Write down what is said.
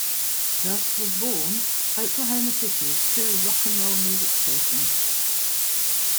Thus was born Oklahoma City's true "Rock N' Roll" music station.